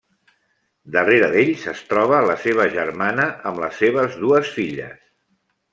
Darrere d'ells es troba la seva germana, amb les seves dues filles.